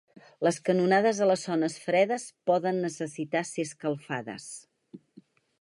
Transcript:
Les canonades a les zones fredes poden necessitar ser escalfades.